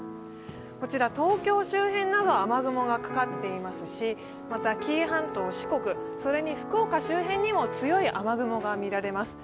東京周辺などは雨雲がかかっていますしまた紀伊半島、四国、それに福岡周辺にも強い雨雲が見られます。